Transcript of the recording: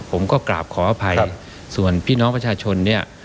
ผมก็กราบขออภัยส่วนพี่น้องประชาชนเนี่ย